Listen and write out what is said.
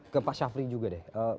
ke pak syafri juga deh